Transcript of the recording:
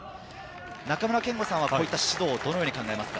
中村憲剛さんはこうした指導をどのように考えますか？